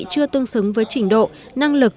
chưa tương xứng với trình độ năng lực